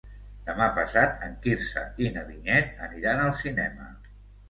Demà passat en Quirze i na Vinyet aniran al cinema.